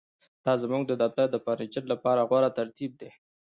دا زموږ د دفتر د فرنیچر لپاره غوره ترتیب دی